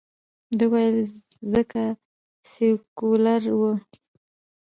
ده ویل، ځکه سیکولر ؤ.